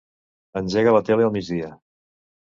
Engega la tele al migdia.